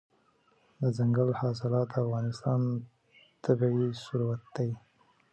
دځنګل حاصلات د افغانستان طبعي ثروت دی.